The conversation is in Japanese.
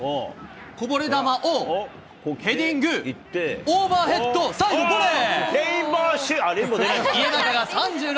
こぼれ球をヘディング、オーバーヘッドで最後ボレー。